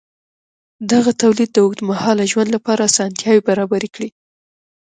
دغه تولید د اوږدمهاله ژوند لپاره اسانتیاوې برابرې کړې.